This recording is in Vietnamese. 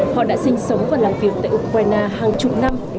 họ đã sinh sống và làm việc tại ukraine hàng chục năm